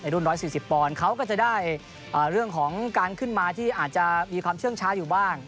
รุ่น๑๔๐ปอนด์เขาก็จะได้เรื่องของการขึ้นมาที่อาจจะมีความเชื่องช้าอยู่บ้าง